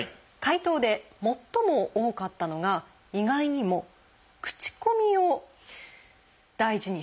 回答で最も多かったのが意外にもええ！